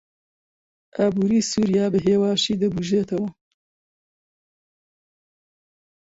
ئابووری سووریا بەهێواشی دەبوژێتەوە.